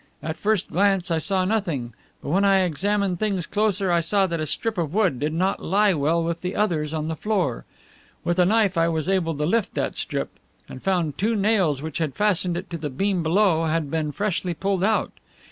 At first glance I saw nothing, but when I examined things closer I saw that a strip of wood did not lie well with the others on the floor. With a knife I was able to lift that strip and I found that two nails which had fastened it to the beam below had been freshly pulled out.